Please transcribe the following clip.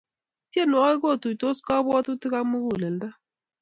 tienwokik kotuitos kapwatutik akmukulelto